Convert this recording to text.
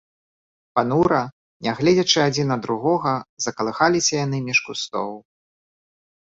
Панура, не гледзячы адзін на другога, закалыхаліся яны між кустоў.